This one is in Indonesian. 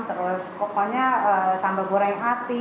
terus pokoknya sambal goreng api